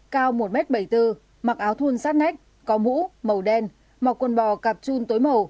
cao một m bảy mươi bốn mặc áo thun sát nách có mũ màu đen mọc quần bò cạp chun tối màu